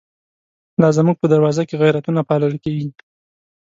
لا زمونږ په دروازو کی، غیرتونه پا لل کیږی